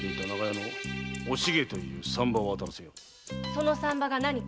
その産婆が何か？